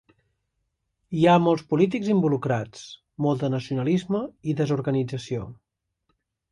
Hi ha molts polítics involucrats, molt de nacionalisme i desorganització.